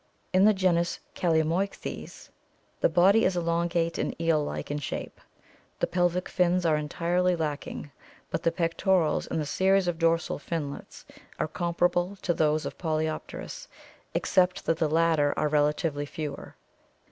In the genus Calamoicktkys the body is elongate and eel like in shape. The pelvic fins are entirely lacking but the pectorals and the series of dorsal finlets are comparable to those of Polypterus except that the latter are relatively fewer.